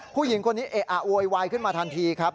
ผู้หญิงคนนี้เอะอะโวยวายขึ้นมาทันทีครับ